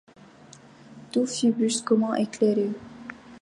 Tout fut brusquement éclairé.